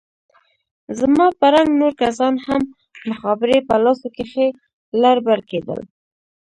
زما په رنګ نور کسان هم مخابرې په لاسو کښې لر بر کېدل.